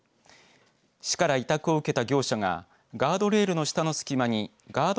市から委託を受けた業者がガードレールの下の隙間にガード